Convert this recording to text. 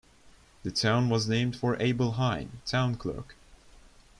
The town was named for Abel Hine, town clerk.